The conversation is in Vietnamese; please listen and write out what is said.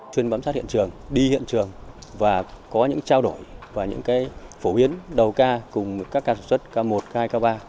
chuyên bám sát hiện trường đi hiện trường và có những trao đổi và những phổ biến đầu ca cùng các ca sản xuất ca một ca hai ca ba